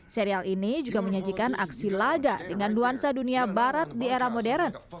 serial ini juga menyajikan aksi laga dengan nuansa dunia barat di era modern